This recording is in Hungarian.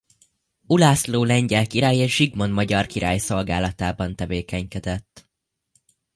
Ulászló lengyel király és Zsigmond magyar király szolgálatában tevékenykedett.